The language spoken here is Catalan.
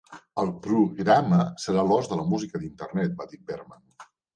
"El programa serà l'os de la música d'Internet", va dir Bergman.